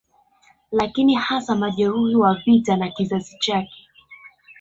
Lakini hasa majeruhi wa vita na kizazi chake